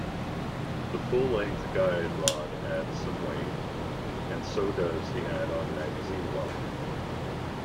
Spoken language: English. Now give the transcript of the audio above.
The full-length guide rod adds some weight, and so does the add-on magazine well.